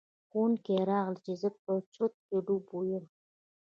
ښوونکي راغلل چې زه په چرت کې ډوب یم.